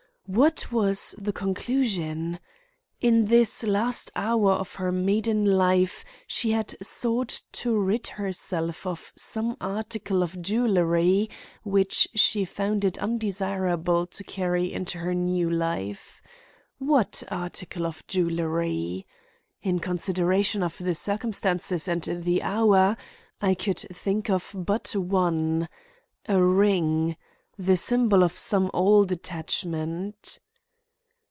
What was the conclusion? In this last hour of her maiden life she had sought to rid herself of some article of jewelry which she found it undesirable to carry into her new life. What article of jewelry? In consideration of the circumstances and the hour, I could think of but one. A ring! the symbol of some old attachment.